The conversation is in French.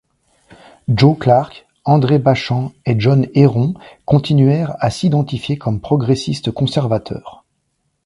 Joe Clark, André Bachand et John Herron continuèrent à s'identifier comme progressistes-conservateurs.